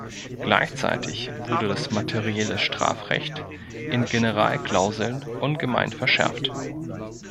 Gleichzeitig wurde das materielle Strafrecht in Generalklauseln ungemein verschärft.